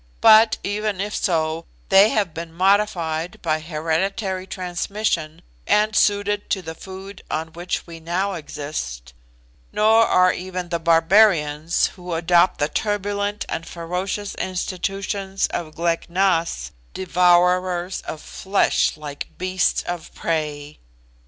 But, even if so, they have been modified by hereditary transmission, and suited to the food on which we now exist; nor are even the barbarians, who adopt the turbulent and ferocious institutions of Glek Nas, devourers of flesh like beasts of prey.